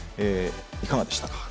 いかがでしたか？